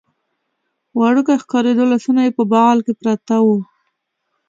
وړوکی ښکارېده، لاسونه یې په بغل کې پراته و.